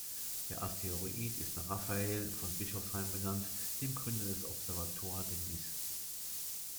Der Asteroid ist nach Raphaël von Bischoffsheim benannt, dem Gründer des Observatoire de Nice.